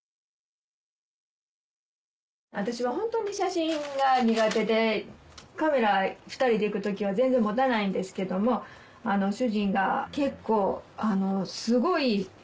私はホントに写真が苦手でカメラ２人で行く時は全然持たないんですけども主人が結構すごい。